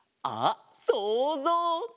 あっそうぞう！